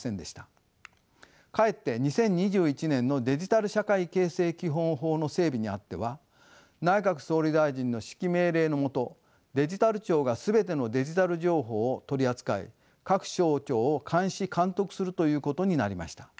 かえって２０２１年のデジタル社会形成基本法の整備にあっては内閣総理大臣の指揮命令の下デジタル庁が全てのデジタル情報を取り扱い各省庁を監視監督するということになりました。